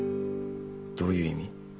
どういう意味？